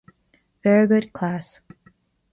Farragut Class